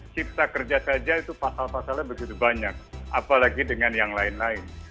cipta kerja saja itu pasal pasalnya begitu banyak apalagi dengan yang lain lain